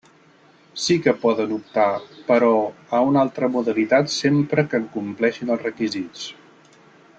Sí que poden optar, però, a una altra modalitat sempre que en compleixin els requisits.